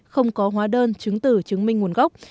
không có hóa đơn chứng tử chứng minh nguồn gốc